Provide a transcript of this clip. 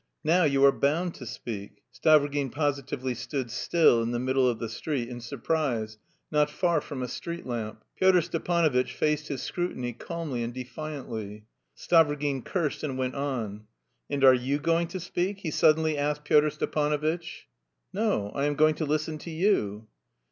"Now you are bound to speak." Stavrogin positively stood still in the middle of the street in surprise, not far from a street lamp. Pyotr Stepanovitch faced his scrutiny calmly and defiantly. Stavrogin cursed and went on. "And are you going to speak?" he suddenly asked Pyotr Stepanovitch. "No, I am going to listen to you."